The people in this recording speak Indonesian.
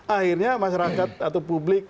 akhirnya masyarakat atau publik